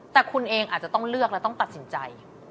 แต่คุณเองอาจจะต้องเลือกและต้องตัดสินใจ